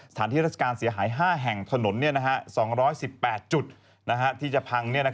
สถานที่ราชการเสียหาย๕แห่งถนน๒๑๘จุดที่จะพัง